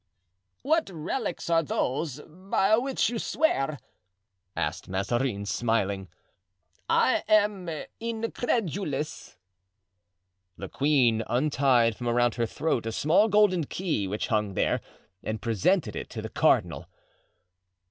"What relics are those by which you swear?" asked Mazarin, smiling. "I am incredulous." The queen untied from around her throat a small golden key which hung there, and presented it to the cardinal.